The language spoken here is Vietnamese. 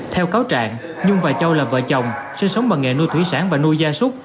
theo cáo trạng nhung và châu là vợ chồng sinh sống bằng nghề nuôi thủy sản và nuôi gia súc